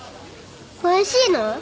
おいしいの？